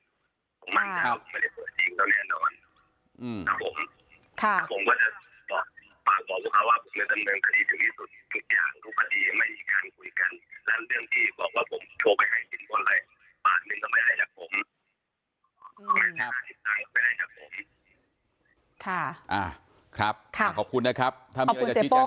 ผมไม่ได้เปิดจริงต้อนแน่นอนเปิดจริงต้อนแน่นอน